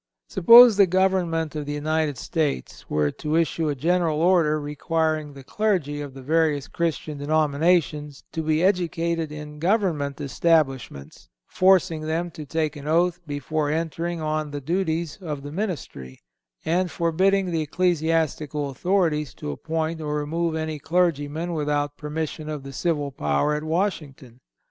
Suppose the government of the United States were to issue a general order requiring the clergy of the various Christian denominations to be educated in government establishments, forcing them to take an oath before entering on the duties of the ministry, and forbidding the ecclesiastical authorities to appoint or remove any clergyman without permission of the civil power at Washington.